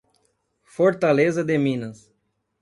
Fortaleza de Minas